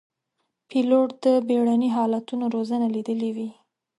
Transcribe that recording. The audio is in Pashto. پیلوټ د بېړني حالتونو روزنه لیدلې وي.